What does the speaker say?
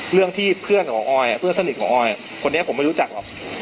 เรื่องที่เพื่อนของออยเพื่อนสนิทของออยคนนี้ผมไม่รู้จักหรอก